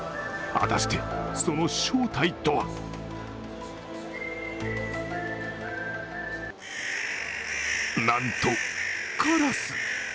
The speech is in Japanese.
果たして、その正体とはなんと、カラス。